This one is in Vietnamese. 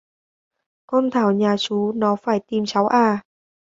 Con Thảo nhà chú nó phải tìm cháu à